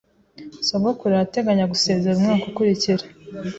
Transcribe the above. Sogokuru arateganya gusezera umwaka ukurikira.